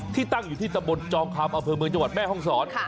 ที่ตั้งอยู่ที่ตะบนจองคำอเผิมเมืองจังหวัดแม่ฮ่องศร